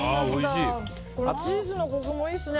チーズのコクもいいですね。